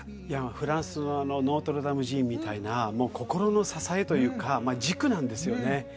いやフランスのノートルダム寺院みたいなもう心の支えというか軸なんですよね